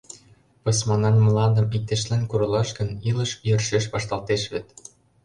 Пысманан мландым иктешлен куралаш гын, илыш йӧршеш вашталтеш вет.